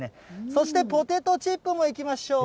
そして、ポテトチップもいきましょう。